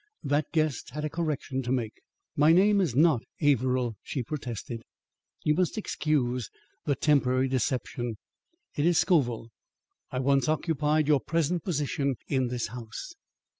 That guest had a correction to make. "My name is not Averill," she protested. "You must excuse the temporary deception. It is Scoville. I once occupied your present position in this house."